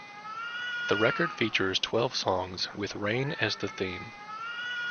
The record features twelve songs with rain as the theme.